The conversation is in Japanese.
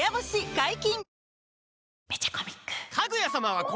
解禁‼